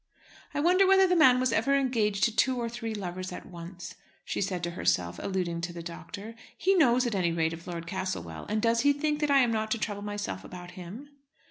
"I wonder whether the man was ever engaged to two or three lovers at once," she said to herself, alluding to the doctor. "He knows at any rate of Lord Castlewell, and does he think that I am not to trouble myself about him?"